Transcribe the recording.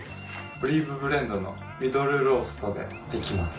オリーブブレンドのミドルローストでいきます